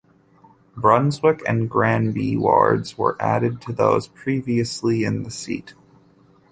Brunswick, and Granby wards were added to those previously in the seat.